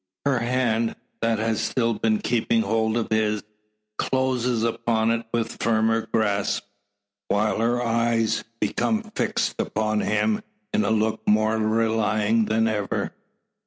Her hand, that has still been keeping hold of his, closes upon it with firmer grasp, while her eyes become fixed upon him in look more relying than ever.